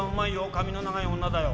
髪の長い女だよ。